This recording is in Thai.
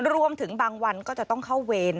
รวมถึงบางวันก็จะต้องเข้าเวร